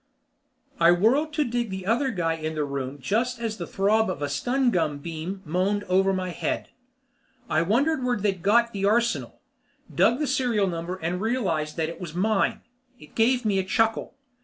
I whirled to dig the other guy in the room just as the throb of a stun gun beam moaned over my head. I wondered where they'd got the arsenal, dug the serial number, and realized that it was mine. It gave me a chuckle.